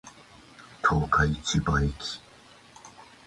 十日市場駅